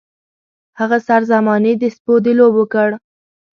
هغه سر زمانې د سپو د لوبو کړ.